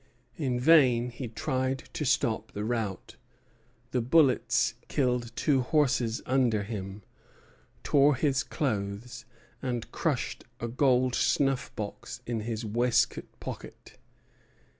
In vain he tried to stop the rout. The bullets killed two horses under him, tore his clothes, and crushed a gold snuff box in his waistcoat pocket.